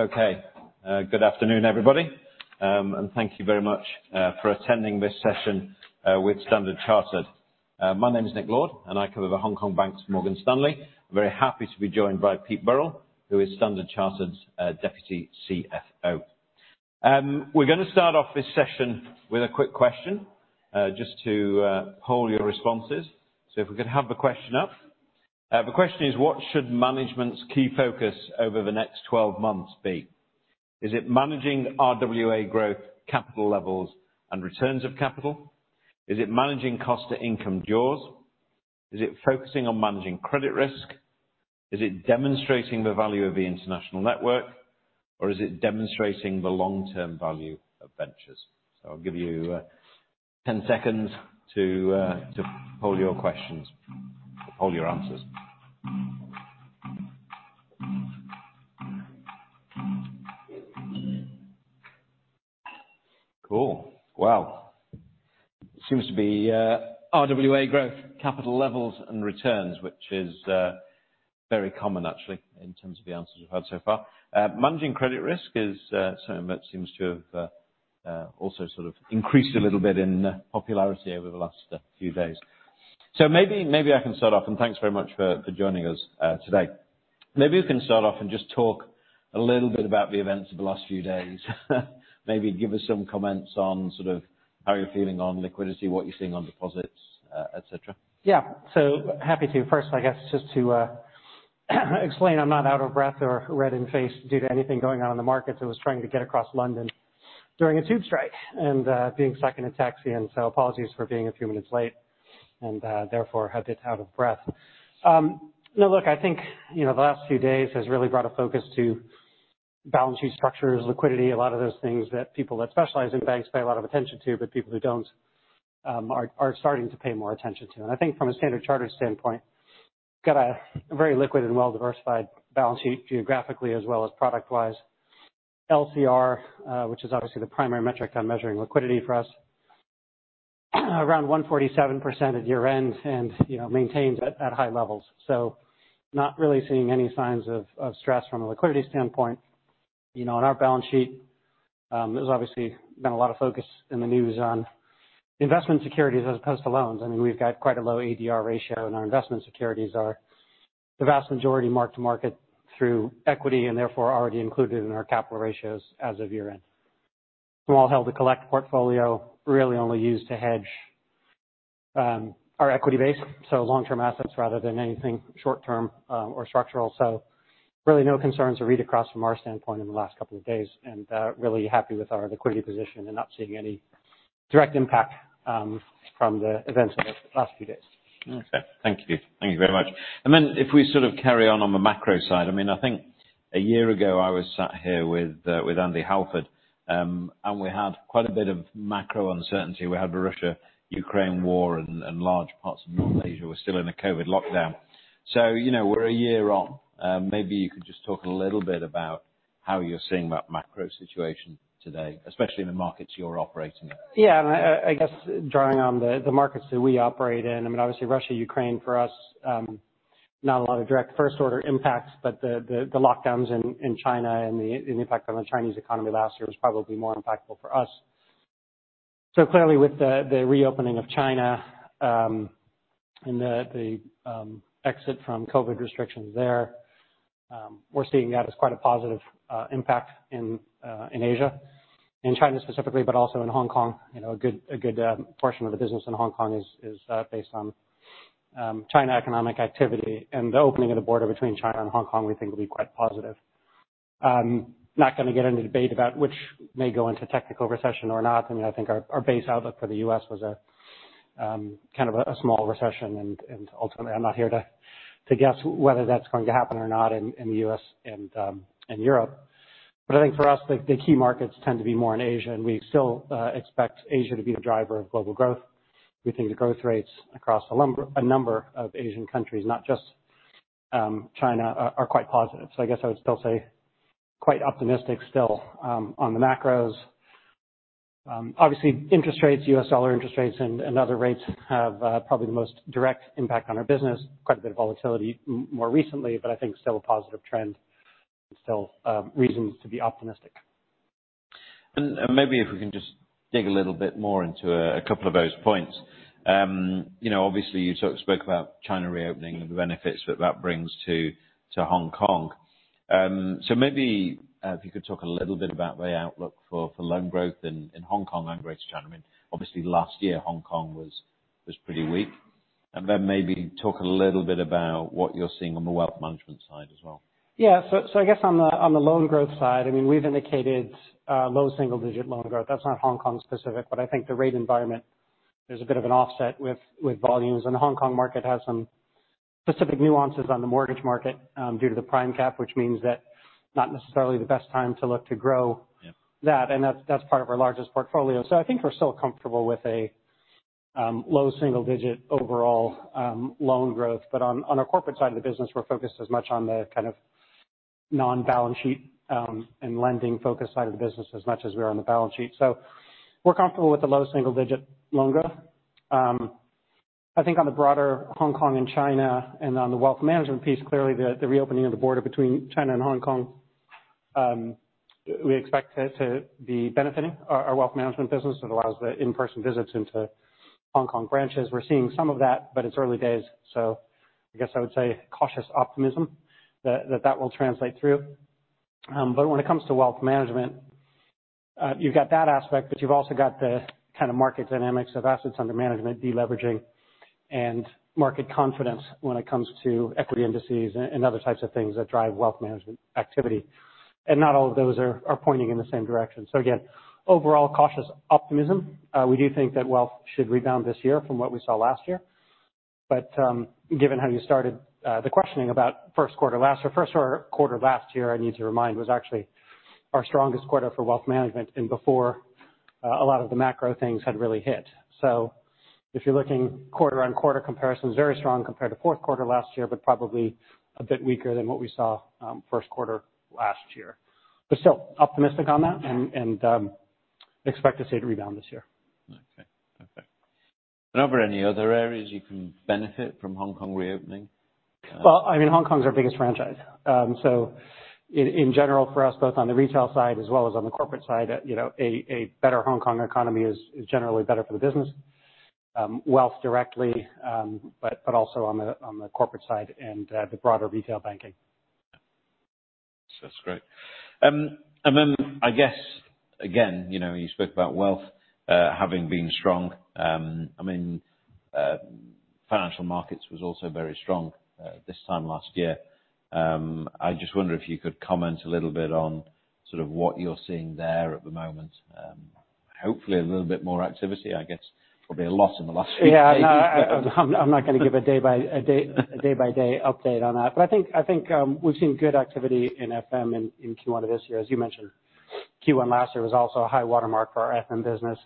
Okay. Good afternoon, everybody. Thank you very much for attending this session with Standard Chartered. My name is Nick Lord, and I cover the Hong Kong banks for Morgan Stanley. I'm very happy to be joined by Pete Burrill, who is Standard Chartered's Deputy CFO. We're gonna start off this session with a quick question just to poll your responses. If we could have the question up. The question is, what should management's key focus over the next 12 months be? Is it managing RWA growth, capital levels and returns of capital? Is it managing cost to income jaws? Is it focusing on managing credit risk? Is it demonstrating the value of the international network, or is it demonstrating the long-term value of ventures? I'll give you, 10 seconds to poll your questions or poll your answers. Cool. Wow. It seems to be RWA growth, capital levels and returns, which is very common actually, in terms of the answers we've had so far. Managing credit risk is something that seems to have also sort of increased a little bit in popularity over the last few days. Maybe, maybe I can start off, and thanks very much for joining us today. Maybe you can start off and just talk a little bit about the events of the last few days. Maybe give us some comments on sort of how you're feeling on liquidity, what you're seeing on deposits, et cetera. Yeah. Happy to. First, I guess just to explain, I'm not out of breath or red in face due to anything going on in the markets. I was trying to get across London during a tube strike and being stuck in a taxi, apologies for being a few minutes late and therefore a bit out of breath. No, look, I think, you know, the last few days has really brought a focus to balance sheet structures, liquidity, a lot of those things that people that specialize in banks pay a lot of attention to, but people who don't, are starting to pay more attention to. I think from a Standard Chartered standpoint, got a very liquid and well-diversified balance sheet geographically as well as product wise. LCR, which is obviously the primary metric on measuring liquidity for us, around 147% at year-end and, you know, maintained at high levels. Not really seeing any signs of stress from a liquidity standpoint. You know, on our balance sheet, there's obviously been a lot of focus in the news on investment securities as opposed to loans. I mean, we've got quite a low ADR ratio, and our investment securities are the vast majority mark-to-market through equity, and therefore already included in our capital ratios as of year-end. Small held to collect portfolio, really only used to hedge our equity base, so long-term assets rather than anything short-term, or structural. Really no concerns or read across from our standpoint in the last couple of days, and really happy with our liquidity position and not seeing any direct impact from the events of the last few days. Okay. Thank you. Thank you very much. If we sort of carry on on the macro side, I mean, I think a year ago, I was sat here with with Andy Halford, and we had quite a bit of macro uncertainty. We had the Russia-Ukraine war and large parts of North Asia were still in a COVID lockdown. You know, we're a year on. Maybe you could just talk a little bit about how you're seeing that macro situation today, especially in the markets you're operating in. Yeah. I guess drawing on the markets that we operate in, I mean, obviously Russia, Ukraine, for us, not a lot of direct first order impacts, but the lockdowns in China and the impact on the Chinese economy last year was probably more impactful for us. Clearly with the reopening of China and the exit from COVID restrictions there, we're seeing that as quite a positive impact in Asia, in China specifically, but also in Hong Kong. You know, a good portion of the business in Hong Kong is based on China economic activity. The opening of the border between China and Hong Kong, we think will be quite positive. Not gonna get into debate about which may go into technical recession or not. I mean, I think our base outlook for the U.S. was a kind of a small recession. Ultimately, I'm not here to guess whether that's going to happen or not in the U.S. and Europe. I think for us, the key markets tend to be more in Asia, and we still expect Asia to be the driver of global growth. We think the growth rates across a number of Asian countries, not just China, are quite positive. I guess I would still say quite optimistic still on the macros. Obviously interest rates, U.S. dollar interest rates and other rates have probably the most direct impact on our business. Quite a bit of volatility more recently, but I think still a positive trend and still reasons to be optimistic. Maybe if we can just dig a little bit more into a couple of those points. You know, obviously you sort of spoke about China reopening and the benefits that brings to Hong Kong. Maybe if you could talk a little bit about the outlook for loan growth in Hong Kong and greater China. I mean, obviously last year Hong Kong was pretty weak. Maybe talk a little bit about what you're seeing on the wealth management side as well. I guess on the, on the loan growth side, I mean, we've indicated low single digit loan growth. That's not Hong Kong specific, but I think the rate environment is a bit of an offset with volumes. The Hong Kong market has some specific nuances on the mortgage market due to the prime cap, which means that not necessarily the best time to look to grow. Yeah. That's part of our largest portfolio. I think we're still comfortable with a low single digit overall loan growth. On our corporate side of the business, we're focused as much on the kind of non-balance sheet and lending focused side of the business as much as we're on the balance sheet. We're comfortable with the low single digit loan growth. I think on the broader Hong Kong and China and on the wealth management piece, clearly the reopening of the border between China and Hong Kong, we expect it to be benefiting our wealth management business. It allows the in-person visits into Hong Kong branches. We're seeing some of that, but it's early days. I guess I would say cautious optimism that will translate through. When it comes to wealth management, you've got that aspect, but you've also got the kind of market dynamics of assets under management, de-leveraging and market confidence when it comes to equity indices and other types of things that drive wealth management activity. Not all of those are pointing in the same direction. Again, overall cautious optimism. We do think that wealth should rebound this year from what we saw last year. Given how you started the questioning about first quarter last year, I need to remind, was actually our strongest quarter for wealth management and before a lot of the macro things had really hit. If you're looking quarter-on-quarter comparisons, very strong compared to fourth quarter last year, but probably a bit weaker than what we saw, first quarter last year. Still optimistic on that and expect to see it rebound this year. Okay. Perfect. Are there any other areas you can benefit from Hong Kong reopening? Well, I mean, Hong Kong is our biggest franchise. In general for us, both on the retail side as well as on the corporate side, you know, a better Hong Kong economy is generally better for the business, wealth directly, but also on the corporate side and the broader retail banking. That's great. I guess, again, you know, you spoke about wealth, having been strong. I mean, financial markets was also very strong, this time last year. I just wonder if you could comment a little bit on sort of what you're seeing there at the moment. Hopefully a little bit more activity, I guess probably a lot in the last few days. No, I'm not gonna give a day by day update on that. I think, we've seen good activity in FM in Q1 of this year. As you mentioned, Q1 last year was also a high watermark for our FM business.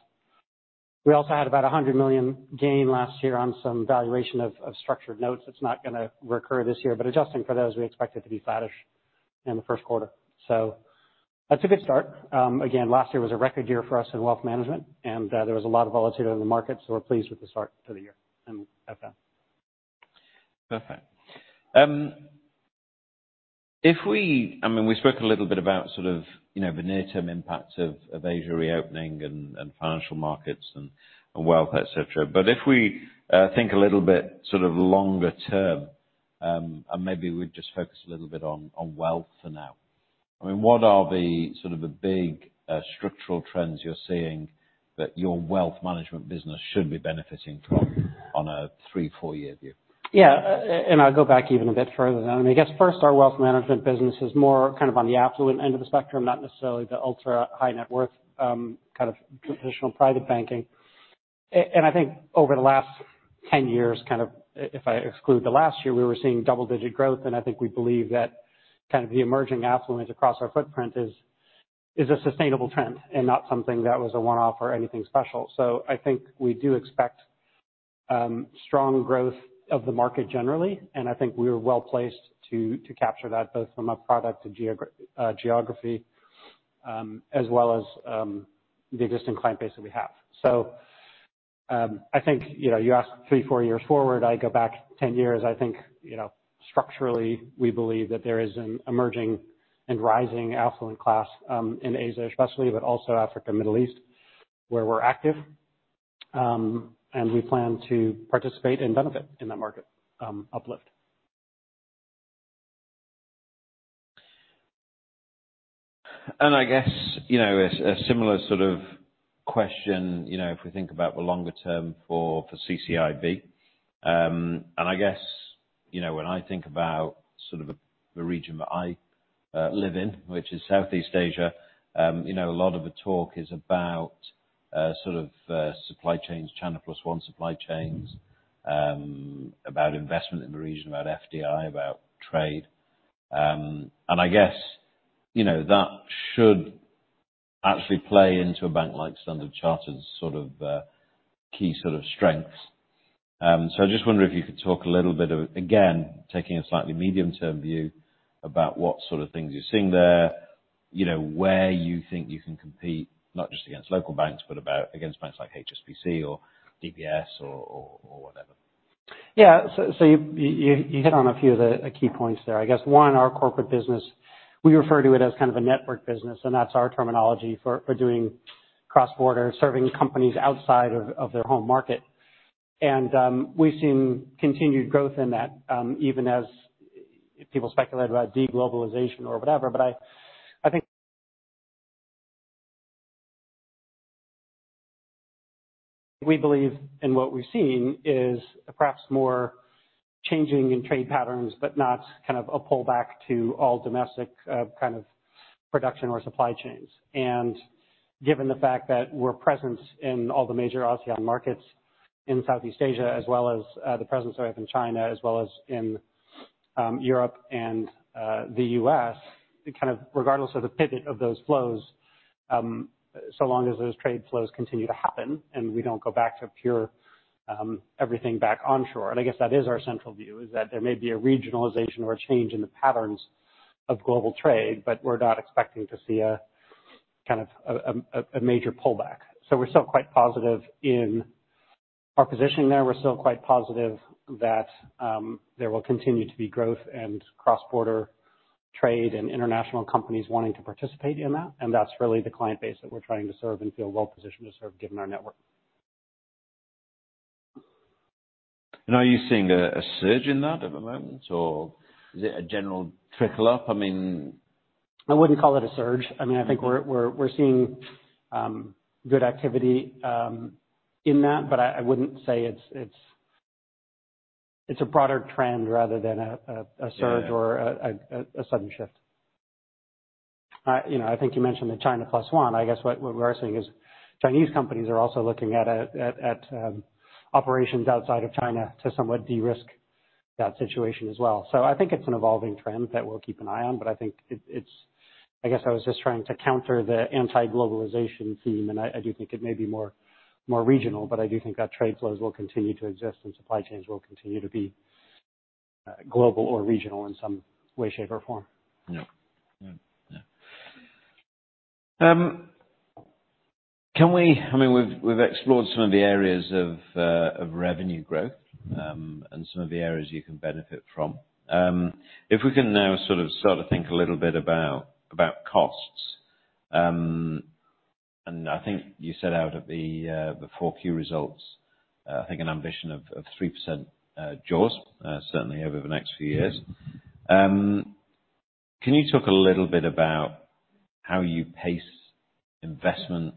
We also had about a $100 million gain last year on some valuation of structured notes. That's not gonna recur this year, but adjusting for those, we expect it to be flattish in the first quarter. That's a good start. Again, last year was a record year for us in wealth management, and there was a lot of volatility in the market, we're pleased with the start to the year in FM. Perfect. I mean, we spoke a little bit about sort of, you know, the near-term impacts of Asia reopening and financial markets and wealth, et cetera. If we think a little bit sort of longer term, maybe we just focus a little bit on wealth for now. I mean, what are the sort of the big structural trends you're seeing that your wealth management business should be benefiting from on a three, four-year view? Yeah. I'll go back even a bit further than that. I mean, I guess first, our wealth management business is more kind of on the affluent end of the spectrum, not necessarily the ultra-high net worth, kind of traditional private banking. I think over the last 10 years, kind of if I exclude the last year, we were seeing double-digit growth. I think we believe that kind of the emerging affluence across our footprint is a sustainable trend and not something that was a one-off or anything special. I think we do expect strong growth of the market generally, and I think we are well-placed to capture that both from a product geography, as well as the existing client base that we have. I think, you know, you asked three, four years forward, I go back 10 years. I think, you know, structurally, we believe that there is an emerging and rising affluent class in Asia especially, but also Africa, Middle East, where we're active. We plan to participate and benefit in that market uplift. I guess, you know, a similar sort of question, you know, if we think about the longer term for CCIB. I guess, you know, when I think about sort of the region that I live in, which is Southeast Asia, you know, a lot of the talk is about sort of supply chains, China plus one supply chains, about investment in the region, about FDI, about trade. I guess, you know, that should actually play into a bank like Standard Chartered's sort of key strengths. I just wonder if you could talk a little bit of, again, taking a slightly medium term view about what sort of things you're seeing there, you know, where you think you can compete, not just against local banks, but about against banks like HSBC or DBS or whatever. You hit on a few of the key points there. I guess one, our corporate business, we refer to it as kind of a network business, and that's our terminology for doing cross-border, serving companies outside of their home market. We've seen continued growth in that, even as people speculate about de-globalization or whatever. I think we believe and what we've seen is perhaps more changing in trade patterns, but not kind of a pullback to all domestic, kind of production or supply chains. Given the fact that we're present in all the major ASEAN markets in Southeast Asia, as well as the presence we have in China, as well as in Europe and the U.S., kind of regardless of the pivot of those flows, so long as those trade flows continue to happen and we don't go back to pure everything back onshore. I guess that is our central view, is that there may be a regionalization or a change in the patterns of global trade, but we're not expecting to see a major pullback. We're still quite positive in our position there. We're still quite positive that there will continue to be growth and cross-border trade and international companies wanting to participate in that. That's really the client base that we're trying to serve and feel well positioned to serve given our network. Are you seeing a surge in that at the moment? Or is it a general trickle up? I mean. I wouldn't call it a surge. I mean, I think we're seeing good activity in that, but I wouldn't say it's a broader trend rather than a. Yeah. A surge or a sudden shift. You know, I think you mentioned the China plus one. I guess what we are seeing is Chinese companies are also looking at operations outside of China to somewhat de-risk that situation as well. I think it's an evolving trend that we'll keep an eye on, but I think I guess I was just trying to counter the anti-globalization theme, and I do think it may be more, more regional, but I do think that trade flows will continue to exist and supply chains will continue to be global or regional in some way, shape, or form. Yeah. Yeah. Yeah. I mean, we've explored some of the areas of revenue growth, and some of the areas you can benefit from. If we can now sort of start to think a little bit about costs. I think you set out at the 4Q results, I think an ambition of 3% jaws, certainly over the next few years. Can you talk a little bit about how you pace investment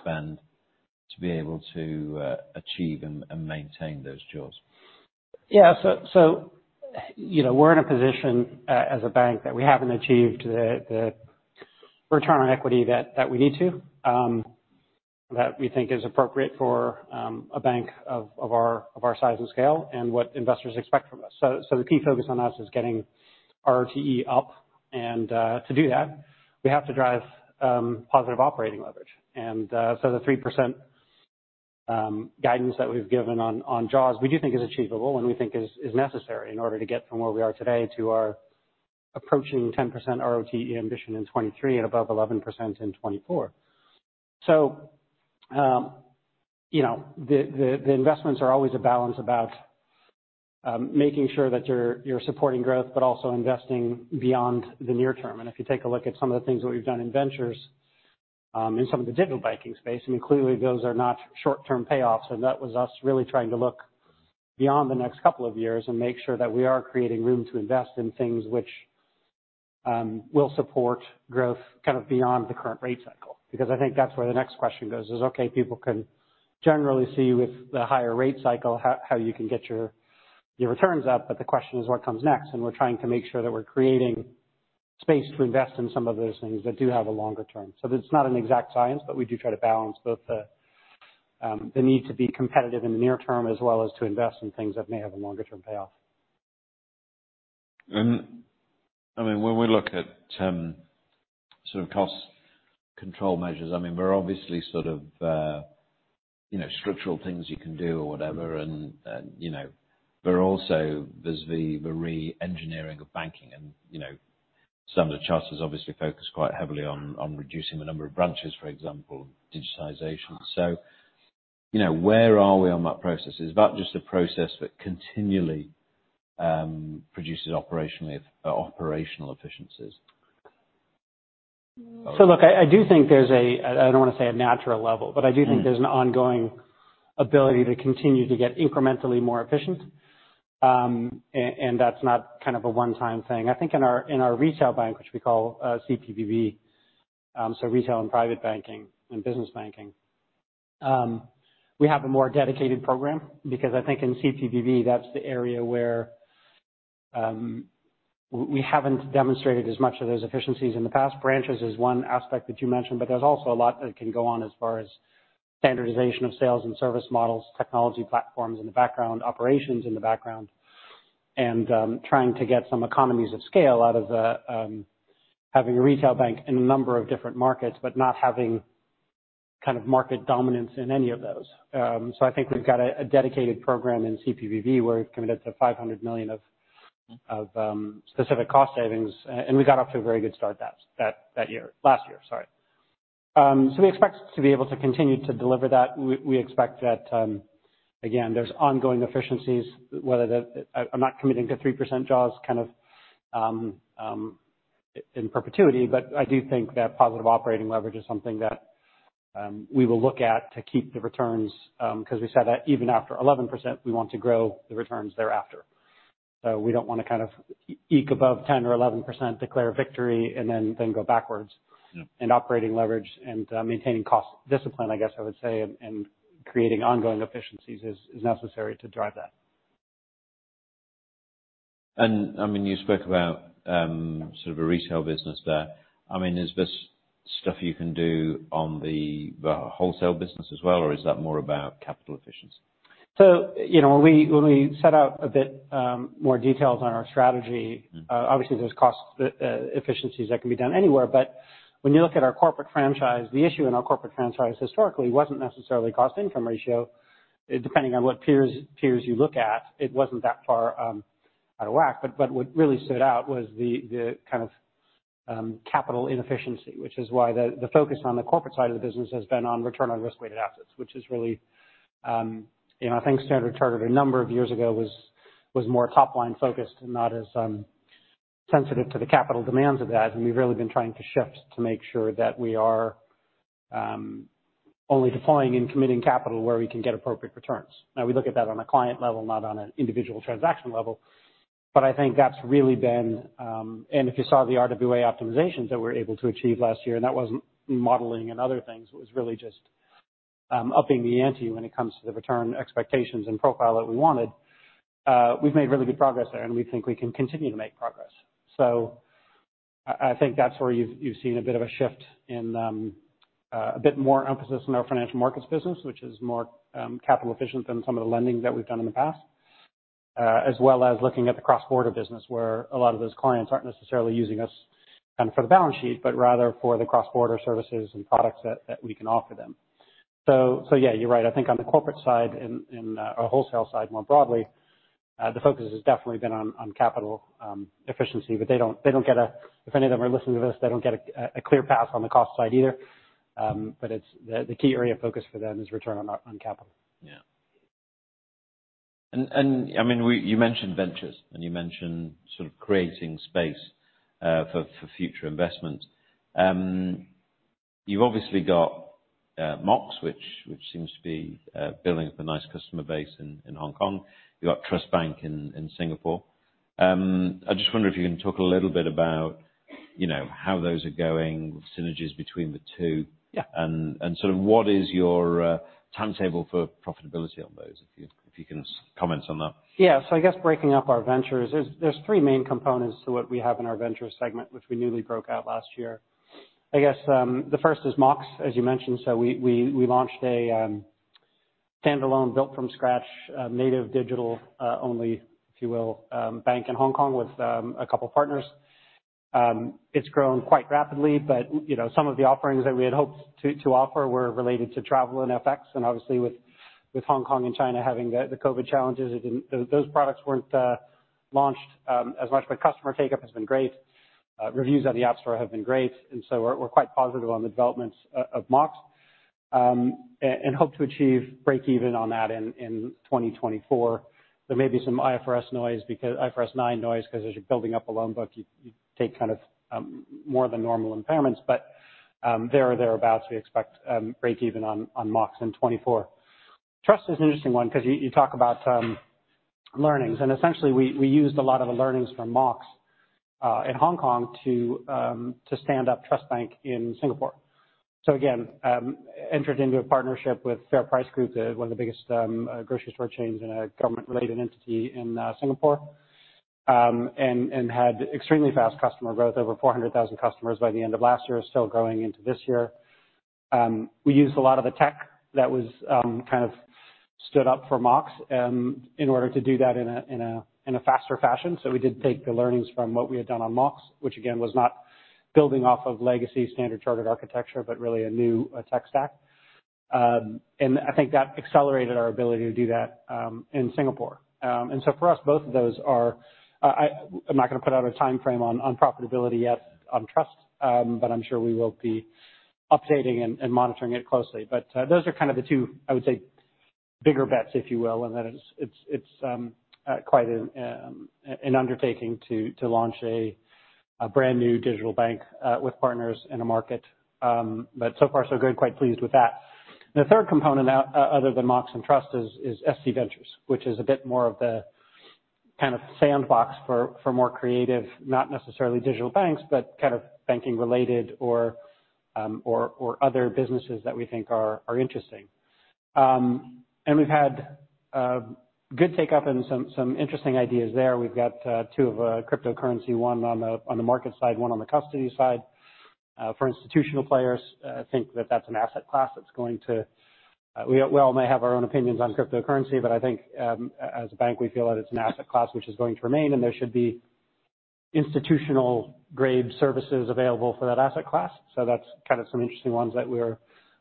spend to be able to achieve and maintain those jaws? You know, we're in a position as a bank that we haven't achieved the return on equity that we need to, that we think is appropriate for a bank of our, of our size and scale and what investors expect from us. The key focus on us is getting ROTE up. To do that, we have to drive positive operating leverage. The 3% guidance that we've given on jaws, we do think is achievable and we think is necessary in order to get from where we are today to our approaching 10% ROTE ambition in 2023 and above 11% in 2024. You know, the investments are always a balance about making sure that you're supporting growth, but also investing beyond the near term. If you take a look at some of the things that we've done in ventures, in some of the digital banking space, I mean, clearly those are not short-term payoffs. That was us really trying to look beyond the next two years and make sure that we are creating room to invest in things which will support growth kind of beyond the current rate cycle. I think that's where the next question goes, is okay, people can generally see with the higher rate cycle how you can get your returns up, but the question is what comes next? We're trying to make sure that we're creating space to invest in some of those things that do have a longer term. It's not an exact science, but we do try to balance both the need to be competitive in the near term as well as to invest in things that may have a longer term payoff. I mean, when we look at, sort of cost control measures, I mean, we're obviously sort of, you know, structural things you can do or whatever. You know, there's the re-engineering of banking and, you know, some of the charters obviously focus quite heavily on reducing the number of branches, for example, digitization. You know, where are we on that process? Is that just a process that continually produces operationally operational efficiencies? Look, I do think there's a, I don't wanna say a natural level, but I do think there's an ongoing ability to continue to get incrementally more efficient. That's not kind of a one-time thing. I think in our retail bank, which we call CPBB, so retail and private banking and business banking, we have a more dedicated program because I think in CPBB, that's the area where we haven't demonstrated as much of those efficiencies in the past. Branches is one aspect that you mentioned. There's also a lot that can go on as far as standardization of sales and service models, technology platforms in the background, operations in the background, and trying to get some economies of scale out of the having a retail bank in a number of different markets, but not having kind of market dominance in any of those. I think we've got a dedicated program in CPBB where we're committed to $500 million of specific cost savings. And we got off to a very good start that year. Last year, sorry. We expect to be able to continue to deliver that. We expect that again, there's ongoing efficiencies whether the. I'm not committing to 3% jaws kind of in perpetuity, but I do think that positive operating leverage is something that we will look at to keep the returns, 'cause we said that even after 11% we want to grow the returns thereafter. So we don't wanna kind of eke above 10% or 11%, declare victory, and then go backwards. Operating leverage and maintaining cost discipline, I guess I would say, and creating ongoing efficiencies is necessary to drive that. I mean, you spoke about, sort of a retail business there. I mean, is this stuff you can do on the wholesale business as well, or is that more about capital efficiency? You know, when we set out a bit more details on our strategy. Mm-hmm. Obviously there's cost efficiencies that can be done anywhere. When you look at our corporate franchise, the issue in our corporate franchise historically wasn't necessarily cost income ratio. Depending on what peers you look at, it wasn't that far out of whack. What really stood out was the kind of capital inefficiency, which is why the focus on the corporate side of the business has been on return on risk-weighted assets, which is really, you know, I think Standard Chartered a number of years ago was more top-line focused and not as sensitive to the capital demands of that. We've really been trying to shift to make sure that we are only deploying and committing capital where we can get appropriate returns. We look at that on a client level, not on an individual transaction level, but I think that's really been. If you saw the RWA optimizations that we were able to achieve last year, and that wasn't modeling and other things. It was really just upping the ante when it comes to the return expectations and profile that we wanted. We've made really good progress there, and we think we can continue to make progress. I think that's where you've seen a bit of a shift in a bit more emphasis on our financial markets business, which is more capital efficient than some of the lending that we've done in the past. As well as looking at the cross-border business, where a lot of those clients aren't necessarily using us, for the balance sheet, but rather for the cross-border services and products that we can offer them. Yeah, you're right. I think on the corporate side and our wholesale side more broadly, the focus has definitely been on capital efficiency. If any of them are listening to this, they don't get a clear pass on the cost side either. It's the key area of focus for them is return on capital. Yeah. I mean, you mentioned ventures, and you mentioned sort of creating space for future investments. You've obviously got Mox, which seems to be building up a nice customer base in Hong Kong. You've got Trust Bank in Singapore. I just wonder if you can talk a little bit about, you know, how those are going, synergies between the two. Yeah. Sort of what is your timetable for profitability on those, if you can comment on that? I guess breaking up our ventures, there's three main components to what we have in our ventures segment, which we newly broke out last year. I guess, the first is Mox, as you mentioned. We launched a standalone, built from scratch, native digital, only, if you will, bank in Hong Kong with a couple partners. It's grown quite rapidly, but, you know, some of the offerings that we had hoped to offer were related to travel and FX, and obviously with Hong Kong and China having the COVID challenges, it didn't. Those products weren't launched as much. Customer take-up has been great. Reviews on the App Store have been great, we're quite positive on the developments of Mox and hope to achieve break even on that in 2024. There may be some IFRS noise because IFRS 9 noise 'cause as you're building up a loan book, you take kind of more than normal impairments. There or thereabouts, we expect break even on Mox in 2024. Trust is an interesting one 'cause you talk about learnings, and essentially we used a lot of the learnings from Mox in Hong Kong to stand up Trust Bank in Singapore. Again, entered into a partnership with FairPrice Group, the one of the biggest grocery store chains and a government-related entity in Singapore. Had extremely fast customer growth, over 400,000 customers by the end of last year, still growing into this year. We used a lot of the tech that was kind of stood up for Mox in order to do that in a faster fashion. We did take the learnings from what we had done on Mox, which again, was not building off of legacy Standard Chartered architecture, but really a new tech stack. I think that accelerated our ability to do that in Singapore. For us, both of those are. I'm not gonna put out a timeframe on profitability yet on Trust, but I'm sure we will be updating and monitoring it closely. Those are kind of the two, I would say, bigger bets, if you will, in that it's, it's quite an undertaking to launch a brand new digital bank with partners in a market. So far so good. Quite pleased with that. The third component other than Mox and Trust is SC Ventures, which is a bit more of the kind of sandbox for more creative, not necessarily digital banks, but kind of banking related or other businesses that we think are interesting. And we've had good take-up and some interesting ideas there. We've got two of a cryptocurrency, one on the market side, one on the custody side, for institutional players. Think that that's an asset class that's going to. We all may have our own opinions on cryptocurrency, but I think, as a bank, we feel that it's an asset class which is going to remain, and there should be institutional-grade services available for that asset class. That's kind of some interesting ones that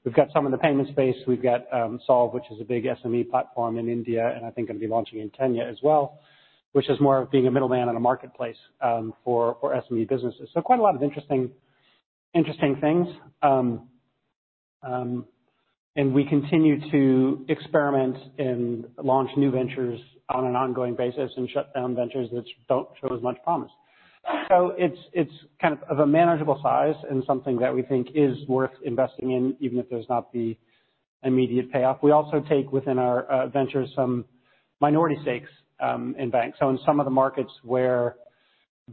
We've got some in the payment space. We've got, Solv, which is a big SME platform in India, and I think gonna be launching in Kenya as well, which is more of being a middleman and a marketplace, for SME businesses. Quite a lot of interesting things. We continue to experiment and launch new ventures on an ongoing basis and shut down ventures which don't show as much promise. It's kind of a manageable size and something that we think is worth investing in, even if there's not the immediate payoff. We also take within our ventures some minority stakes in banks. In some of the markets where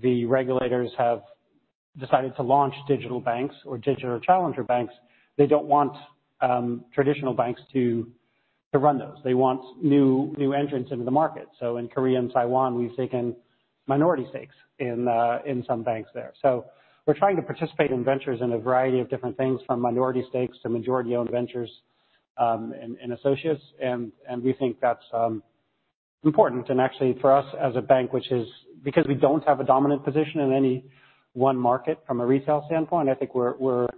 the regulators have decided to launch digital banks or digital challenger banks, they don't want traditional banks to run those. They want new entrants into the market. In Korea and Taiwan, we've taken minority stakes in some banks there. We're trying to participate in ventures in a variety of different things, from minority stakes to majority-owned ventures, and associates, and we think that's important. Actually, for us as a bank, which is because we don't have a dominant position in any one market from a retail standpoint, I think we're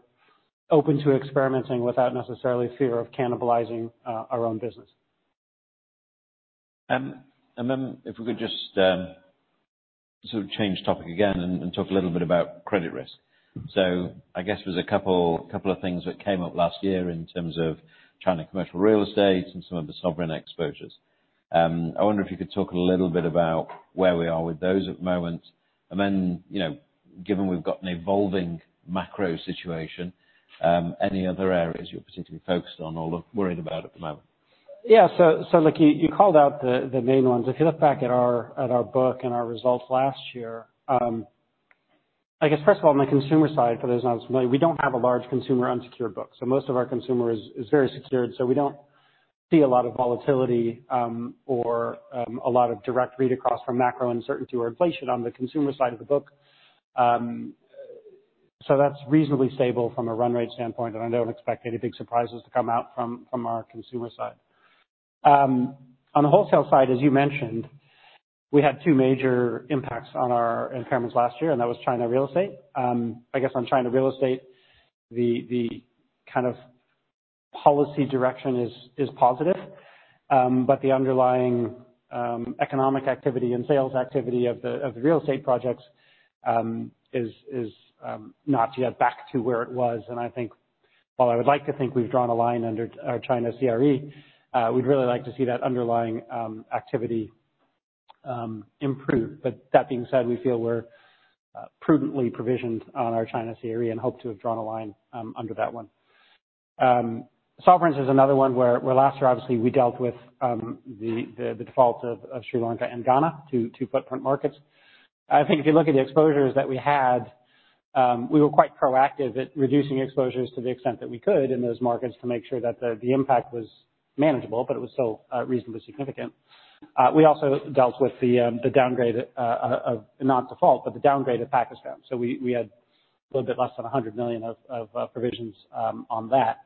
open to experimenting without necessarily fear of cannibalizing our own business. If we could just sort of change topic again and talk a little bit about credit risk. I guess there's a couple of things that came up last year in terms of China commercial real estate and some of the sovereign exposures. I wonder if you could talk a little bit about where we are with those at the moment, and then, you know, given we've got an evolving macro situation, any other areas you're particularly focused on or worried about at the moment? Yeah. Look, you called out the main ones. If you look back at our book and our results last year, I guess first of all, on the consumer side, for those not familiar, we don't have a large consumer unsecured book, so most of our consumer is very secured, so we don't see a lot of volatility or a lot of direct read across from macro uncertainty or inflation on the consumer side of the book. That's reasonably stable from a run rate standpoint, and I don't expect any big surprises to come out from our consumer side. On the wholesale side, as you mentioned, we had two major impacts on our impairments last year, and that was China real estate. I guess on China real estate, the kind of policy direction is positive, but the underlying economic activity and sales activity of the real estate projects is not yet back to where it was. I think while I would like to think we've drawn a line under our China CRE, we'd really like to see that underlying activity improve. That being said, we feel we're prudently provisioned on our China CRE and hope to have drawn a line under that one. Sovereigns is another one where last year obviously we dealt with the default of Sri Lanka and Ghana, two footprint markets. If you look at the exposures that we had, we were quite proactive at reducing exposures to the extent that we could in those markets to make sure that the impact was manageable, but it was still reasonably significant. We also dealt with the downgrade, not default, but the downgrade of Pakistan. We had a little bit less than $100 million of provisions on that.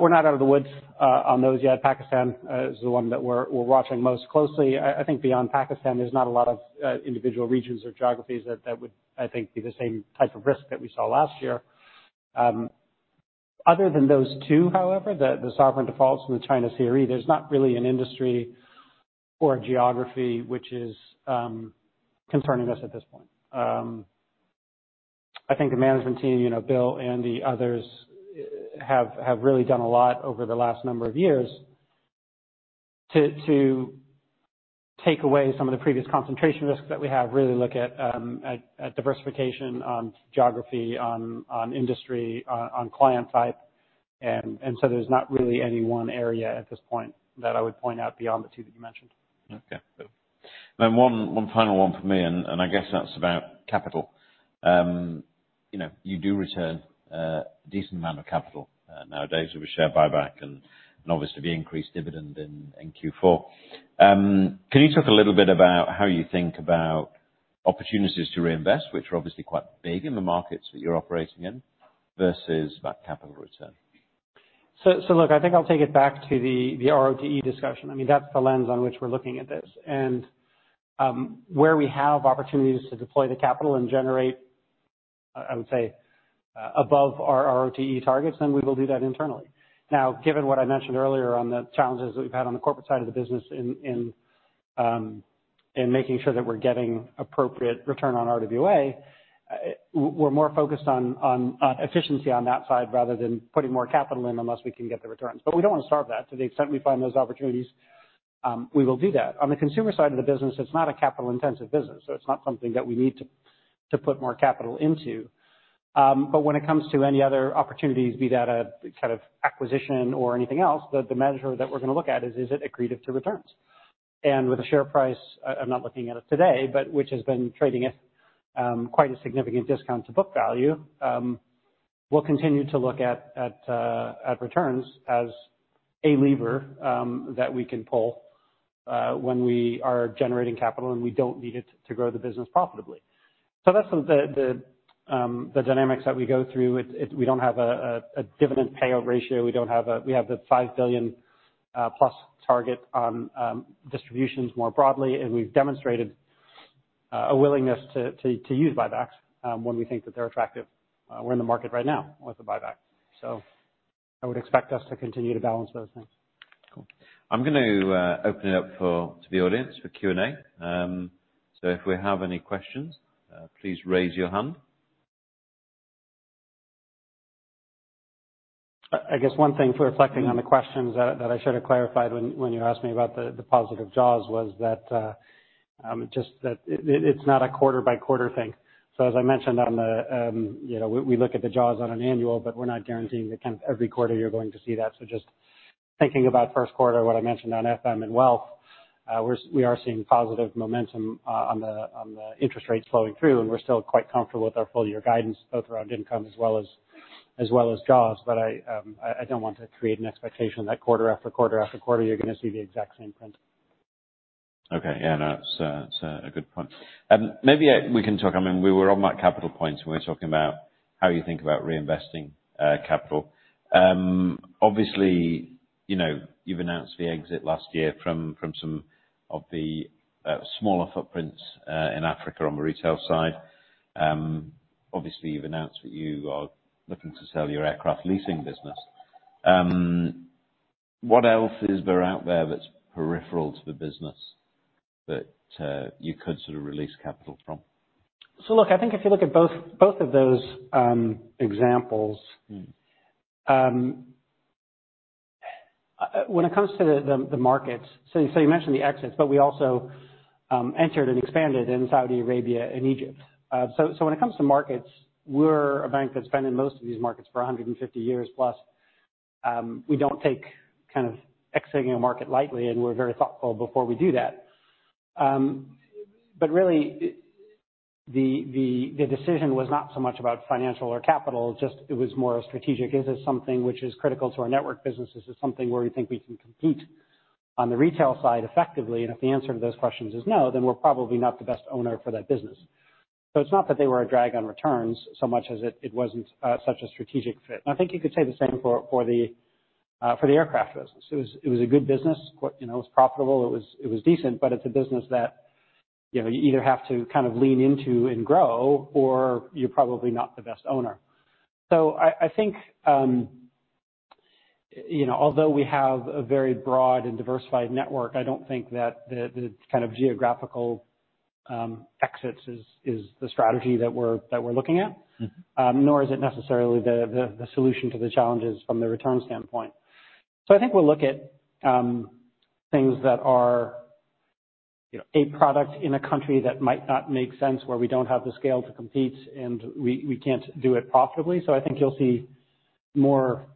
We're not out of the woods on those yet. Pakistan is the one that we're watching most closely. Beyond Pakistan, there's not a lot of individual regions or geographies that would, I think, be the same type of risk that we saw last year. Other than those two, however, the sovereign defaults from the China CRE, there's not really an industry or a geography which is concerning us at this point. I think the management team, you know, Bill and the others have really done a lot over the last number of years to take away some of the previous concentration risks that we have, really look at diversification on geography, on industry, on client type. There's not really any one area at this point that I would point out beyond the two that you mentioned. Okay. One final one from me, and I guess that's about capital. You know, you do return a decent amount of capital nowadays with share buyback and obviously the increased dividend in Q4. Can you talk a little bit about how you think about opportunities to reinvest, which are obviously quite big in the markets that you're operating in, versus that capital return? Look, I think I'll take it back to the ROTE discussion. I mean, that's the lens on which we're looking at this. Where we have opportunities to deploy the capital and generate, I would say, above our ROTE targets, then we will do that internally. Now, given what I mentioned earlier on the challenges that we've had on the corporate side of the business in making sure that we're getting appropriate return on RWA, we're more focused on efficiency on that side rather than putting more capital in unless we can get the returns. We don't wanna starve that. To the extent we find those opportunities, we will do that. On the consumer side of the business, it's not a capital-intensive business, so it's not something that we need to put more capital into. When it comes to any other opportunities, be that a kind of acquisition or anything else, the measure that we're gonna look at is it accretive to returns? With the share price, I'm not looking at it today, but which has been trading at quite a significant discount to book value, we'll continue to look at returns as a lever that we can pull when we are generating capital and we don't need it to grow the business profitably. That's the dynamics that we go through. We don't have a dividend payout ratio. We have the $5+ billion target on distributions more broadly, and we've demonstrated a willingness to use buybacks when we think that they're attractive. We're in the market right now with the buyback. I would expect us to continue to balance those things. Cool. I'm gonna open it up to the audience for Q&A. If we have any questions, please raise your hand. I guess one thing if we're reflecting on the questions that I should have clarified when you asked me about the positive jaws was that just that it's not a quarter by quarter thing. As I mentioned on the, you know, we look at the jaws on an annual, but we're not guaranteeing that kind of every quarter you're gonna see that. Just thinking about first quarter, what I mentioned on FM and Wealth, we are seeing positive momentum on the interest rates flowing through, and we're still quite comfortable with our full year guidance, both around income as well as jaws. I don't want to create an expectation that quarter after quarter after quarter, you're gonna see the exact same print. Okay. Yeah, no, that's a, that's a good point. Maybe we can talk, I mean, we were on that capital point when we were talking about how you think about reinvesting capital. Obviously, you know, you've announced the exit last year from some of the smaller footprints in Africa on the retail side. Obviously, you've announced that you are looking to sell your aircraft leasing business. What else is there out there that's peripheral to the business that you could sort of release capital from? Look, I think if you look at both of those examples. When it comes to the markets, you mentioned the exits, but we also entered and expanded in Saudi Arabia and Egypt. When it comes to markets, we're a bank that's been in most of these markets for 150+ years. We don't take kind of exiting a market lightly, and we're very thoughtful before we do that. Really the decision was not so much about financial or capital, just it was more strategic. Is this something which is critical to our network business? Is this something where we think we can compete on the retail side effectively? If the answer to those questions is no, then we're probably not the best owner for that business. It's not that they were a drag on returns so much as it wasn't such a strategic fit. I think you could say the same for the aircraft business. It was a good business. You know, it was profitable, it was decent, but it's a business that, you know, you either have to kind of lean into and grow or you're probably not the best owner. I think, you know, although we have a very broad and diversified network, I don't think that the kind of geographical exits is the strategy that we're looking at. Nor is it necessarily the solution to the challenges from the return standpoint. I think we'll look at things that are, you know, a product in a country that might not make sense, where we don't have the scale to compete and we can't do it profitably. I think you'll see more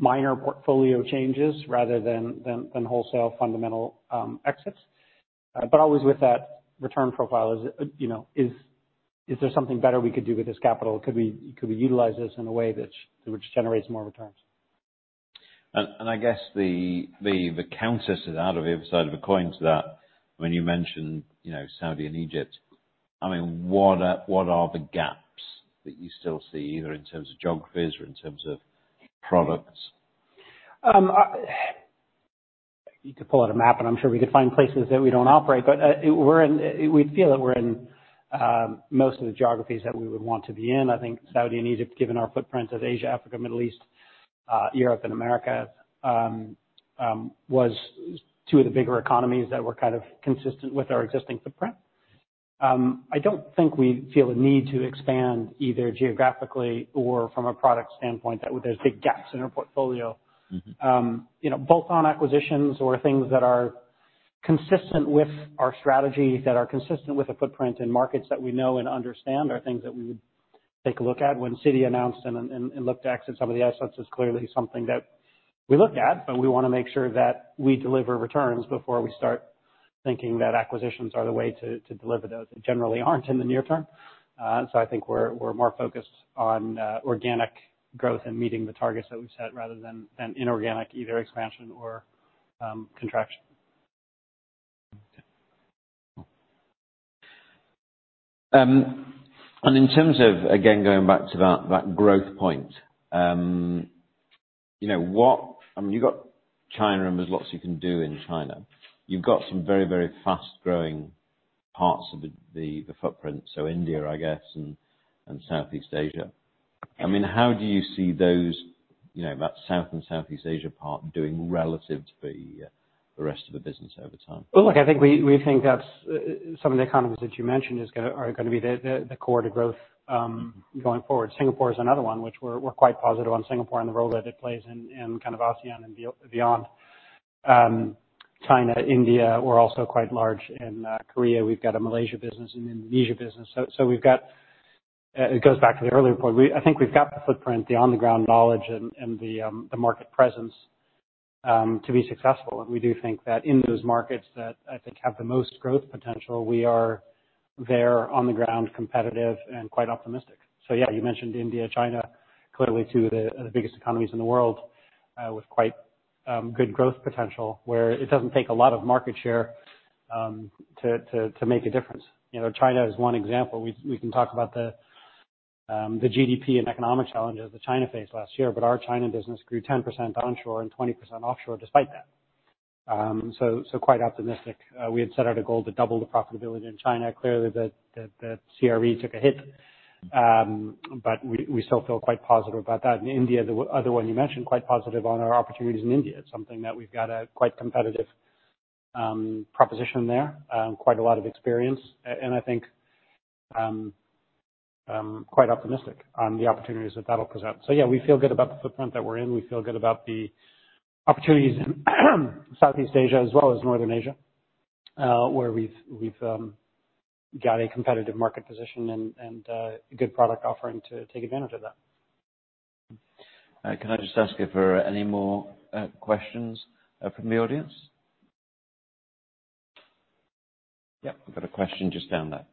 minor portfolio changes rather than wholesale fundamental exits. Always with that return profile is, you know, is there something better we could do with this capital? Could we utilize this in a way which generates more returns? I guess the counter to that or the other side of the coin to that, when you mention, you know, Saudi and Egypt, I mean, what are the gaps that you still see either in terms of geographies or in terms of products? You could pull out a map, and I'm sure we could find places that we don't operate. We feel that we're in most of the geographies that we would want to be in. I think Saudi and Egypt, given our footprint of Asia, Africa, Middle East, Europe and America, was two of the bigger economies that were kind of consistent with our existing footprint. I don't think we feel a need to expand either geographically or from a product standpoint that there's big gaps in our portfolio. You know, bolt-on acquisitions or things that are consistent with our strategy, that are consistent with the footprint and markets that we know and understand are things that we would take a look at. When Citi announced and looked to exit some of the assets is clearly something that we looked at, but we wanna make sure that we deliver returns before we start thinking that acquisitions are the way to deliver those. They generally aren't in the near term. I think we're more focused on organic growth and meeting the targets that we've set rather than inorganic either expansion or contraction. Okay. In terms of, again, going back to that growth point, you know, I mean, you've got China, and there's lots you can do in China. You've got some very, very fast-growing parts of the footprint, so India, I guess, and Southeast Asia. I mean, how do you see those, you know, that South and Southeast Asia part doing relative to the rest of the business over time? Look, I think we think that's some of the economies that you mentioned are gonna be the core to growth going forward. Singapore is another one which we're quite positive on Singapore and the role that it plays in kind of ASEAN and beyond. China, India. We're also quite large in Korea. We've got a Malaysia business, an Indonesia business. We've got it goes back to the earlier point. I think we've got the footprint, the on-the-ground knowledge and the market presence to be successful. We do think that in those markets that I think have the most growth potential, we are there on the ground, competitive and quite optimistic. Yeah, you mentioned India, China, clearly two of the biggest economies in the world, with quite good growth potential, where it doesn't take a lot of market share to make a difference. You know, China is one example. We can talk about the GDP and economic challenges that China faced last year. Our China business grew 10% onshore and 20% offshore despite that. Quite optimistic. We had set out a goal to double the profitability in China. Clearly the CRE took a hit. We still feel quite positive about that. In India, the other one you mentioned, quite positive on our opportunities in India. It's something that we've got a quite competitive proposition there. Quite a lot of experience. I think, quite optimistic on the opportunities that that'll present. Yeah, we feel good about the footprint that we're in. We feel good about the opportunities in Southeast Asia as well as Northern Asia, where we've got a competitive market position and a good product offering to take advantage of that. Can I just ask if there are any more questions from the audience? Yep. I've got a question just down there.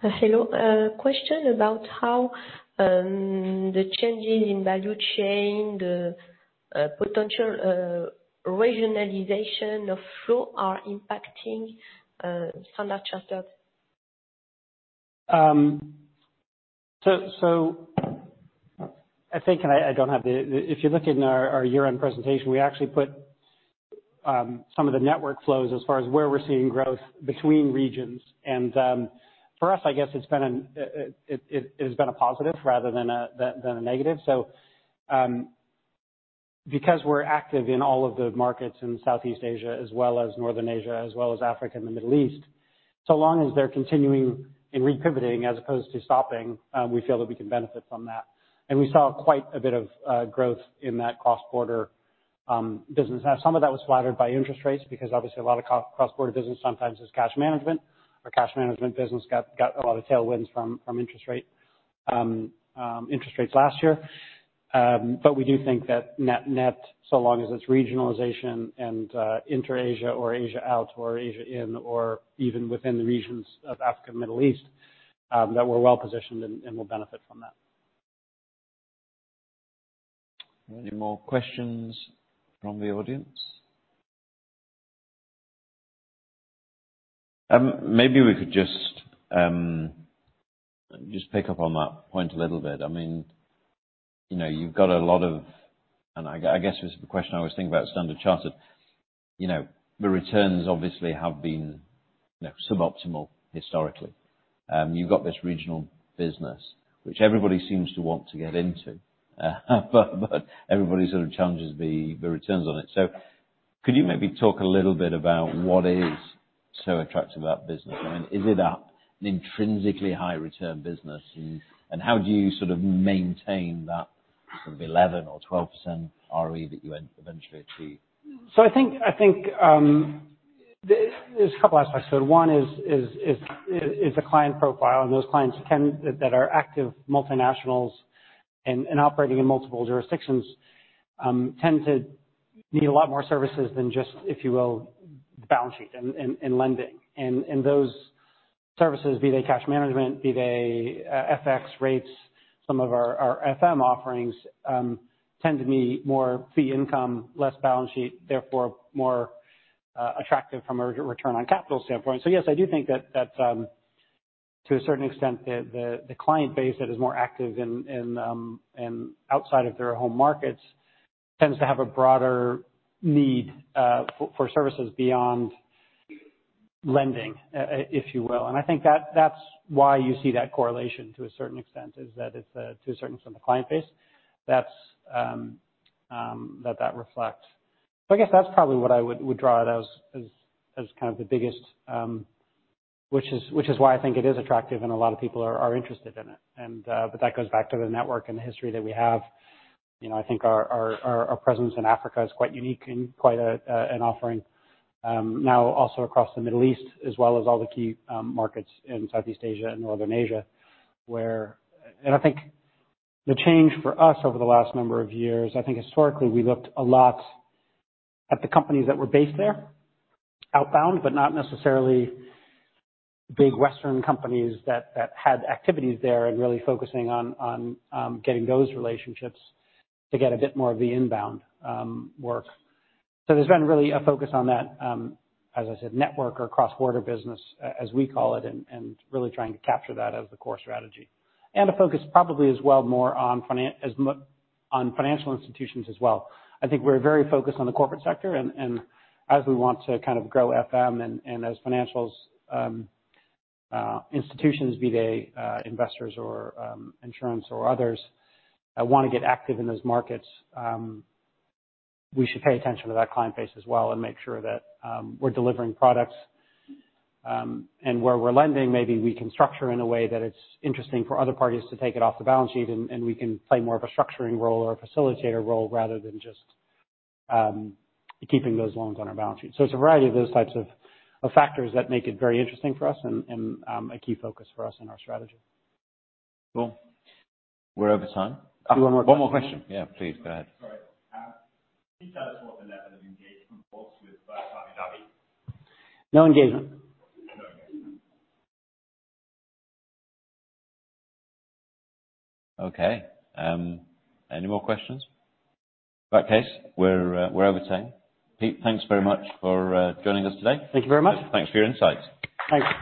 Hello. A question about how the changing in value chain, potential regionalization of flow are impacting Standard Chartered? I think, and I don't have the. If you look in our year-end presentation, we actually put some of the network flows as far as where we're seeing growth between regions. For us, I guess it's been a positive rather than a negative. Because we're active in all of the markets in Southeast Asia as well as Northern Asia, as well as Africa and the Middle East, so long as they're continuing and re-pivoting as opposed to stopping, we feel that we can benefit from that. We saw quite a bit of growth in that cross-border business. Some of that was flattered by interest rates, because obviously a lot of cross-border business sometimes is cash management. Our cash management business got a lot of tailwinds from interest rate, interest rates last year. We do think that net, so long as it's regionalization and, inter-Asia or Asia out, or Asia in, or even within the regions of Africa and Middle East, that we're well positioned and will benefit from that. Any more questions from the audience? Maybe we could just pick up on that point a little bit. I mean, you know, you've got a lot of. I guess this is the question I always think about Standard Chartered, you know, the returns obviously have been, you know, suboptimal historically. You've got this regional business, which everybody seems to want to get into, but everybody sort of challenges the returns on it. Could you maybe talk a little bit about what is so attractive about business? I mean, is it an intrinsically high return business, and how do you sort of maintain that sort of 11% or 12% ROE that you eventually achieve? I think, there's a couple aspects to it. One is the client profile and those clients tend, that are active multinationals and operating in multiple jurisdictions, tend to need a lot more services than just, if you will, balance sheet and lending. Those services, be they cash management, be they FX rates, some of our FM offerings, tend to be more fee income, less balance sheet, therefore more attractive from a return on capital standpoint. Yes, I do think that, to a certain extent, the client base that is more active in, outside of their home markets tends to have a broader need for services beyond lending, if you will. I think that's why you see that correlation to a certain extent, is that it's to a certain extent, the client base that's that reflects. I guess that's probably what I would draw it as kind of the biggest, which is why I think it is attractive and a lot of people are interested in it. But that goes back to the network and the history that we have. You know, I think our presence in Africa is quite unique and quite an offering, now also across the Middle East, as well as all the key markets in Southeast Asia and Northern Asia, where. I think the change for us over the last number of years, I think historically we looked a lot at the companies that were based there, outbound, but not necessarily big Western companies that had activities there and really focusing on getting those relationships to get a bit more of the inbound work. There's been really a focus on that, as I said, network or cross-border business, as we call it, and really trying to capture that as the core strategy. A focus probably as well more on financial institutions as well. I think we're very focused on the corporate sector and as we want to kind of grow FM and as financials, institutions, be they, investors or insurance or others, wanna get active in those markets, we should pay attention to that client base as well and make sure that we're delivering products, and where we're lending, maybe we can structure in a way that it's interesting for other parties to take it off the balance sheet and we can play more of a structuring role or a facilitator role rather than just keeping those loans on our balance sheet. It's a variety of those types of factors that make it very interesting for us and a key focus for us in our strategy. Cool. We're over time. One more question. One more question. Yeah, please go ahead. Sorry. Can you tell us what the level of engagement was with Saudi? No engagement. No engagement. Any more questions? In that case, we're over time. Pete, thanks very much for joining us today. Thank you very much. Thanks for your insights. Thanks.